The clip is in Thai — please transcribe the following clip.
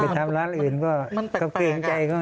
มันไปทำร้านอื่นเขาก็เกรงใจบ้าง